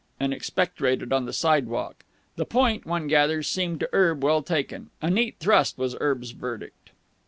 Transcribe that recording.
and expectorated on the sidewalk. The point, one gathers, seemed to Erb well taken. A neat thrust, was Erb's verdict.